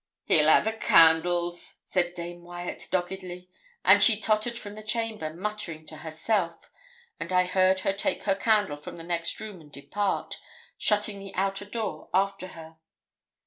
'He'll ha' the candles,' said Dame Wyat, doggedly; and she tottered from the chamber, muttering to herself; and I heard her take her candle from the next room and depart, shutting the outer door after her.